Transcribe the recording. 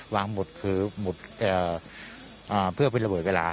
วางหมุดคือหมุดเพื่อเป็นระเบิดเวลา